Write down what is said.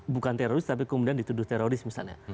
bukan teroris tapi kemudian dituduh teroris misalnya